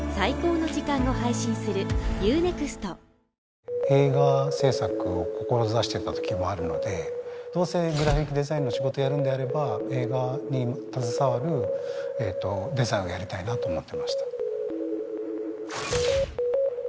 はぁ映画製作を志していたときもあるのでどうせグラフィックデザインの仕事をやるんであれば映画に携わるデザインをやりたいなと思ってました